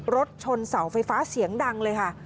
รถชนเสาไฟฟ้าเสียงดังเลยค่ะ